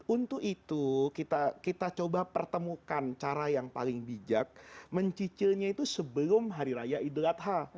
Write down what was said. untuk itu kita coba pertemukan cara yang paling bijak mencicilnya itu sebelum hari raya idul adha